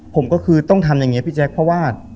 ผมก็คือต้องทำอย่างนี้พี่แจ๊คเพราะว่า